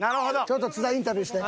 ちょっと津田インタビューして。